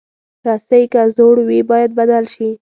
رسۍ که زوړ وي، باید بدل شي.